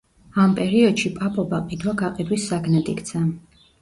ამ პერიოდში პაპობა ყიდვა-გაყიდვის საგნად იქცა.